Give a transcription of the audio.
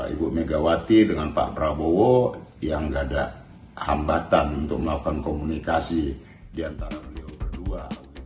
ibu megawati dengan pak prabowo yang gak ada hambatan untuk melakukan komunikasi diantara beliau berdua